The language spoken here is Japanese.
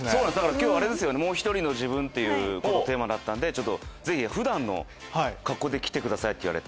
今日もう一人の自分っていうテーマだったんで「ぜひ普段の格好で来てください」って言われて。